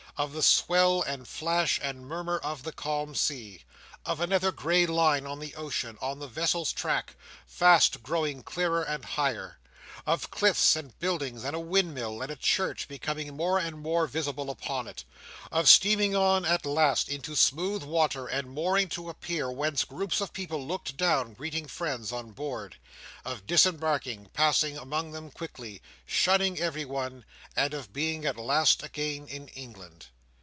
Of the swell, and flash, and murmur of the calm sea. Of another grey line on the ocean, on the vessel's track, fast growing clearer and higher. Of cliffs and buildings, and a windmill, and a church, becoming more and more visible upon it. Of steaming on at last into smooth water, and mooring to a pier whence groups of people looked down, greeting friends on board. Of disembarking, passing among them quickly, shunning every one; and of being at last again in England.